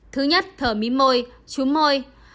thứ nhất thở mí môi chúm môi